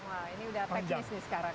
wah ini udah teknis nih sekarang